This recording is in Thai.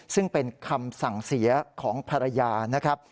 ซึ่งเป็นคำสั่งเสียของภรรยานะครับ